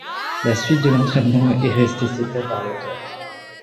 La suite de l’entrainement est resté secret par l’auteur.